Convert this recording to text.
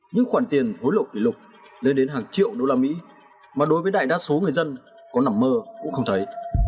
những khoản tiền hối lộ kỷ lục lên đến hàng triệu đô la mỹ mà đối với đại đa số người dân có nằm mơ cũng không thấy